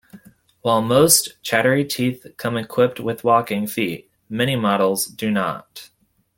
While most chattery teeth come equipped with walking feet, many models do not.